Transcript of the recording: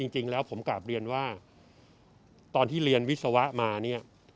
จริงแล้วผมกลับเรียนว่าตอนที่เรียนวิศวะมาเนี่ย